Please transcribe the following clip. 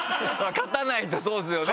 勝たないとそうですよね。